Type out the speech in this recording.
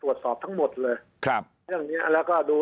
ตรวจสอบทั้งหมดเลยครับเรื่องเนี้ยแล้วก็ดู